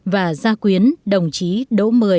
và gia quyến đồng chí đỗ mười